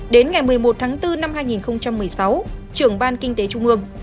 đến ngày một mươi một tháng bốn năm hai nghìn một mươi sáu trưởng ban kinh tế trung ương